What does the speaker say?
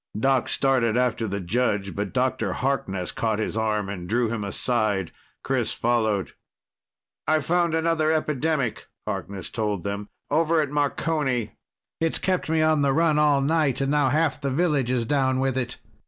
Doc started after the judge, but Dr. Harkness caught his arm and drew him aside. Chris followed. "I've found another epidemic," Harkness told them. "Over at Marconi. It's kept me on the run all night, and now half the village is down with it.